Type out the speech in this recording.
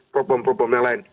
problem problem yang lain